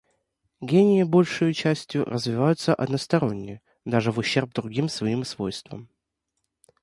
Гении большею частью развиваются односторонне, даже в ущерб другим своим свойствам.